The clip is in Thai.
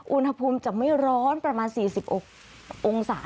อุณหภูมิจะไม่ร้อนประมาณ๔๖องศา